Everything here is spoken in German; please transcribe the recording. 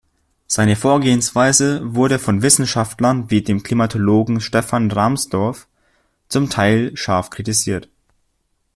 Seine Vorgehensweise wurde von Wissenschaftlern wie dem Klimatologen Stefan Rahmstorf zum Teil scharf kritisiert.